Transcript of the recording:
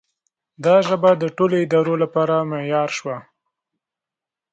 دا ژبه د ټولو ادارو لپاره معیار شوه.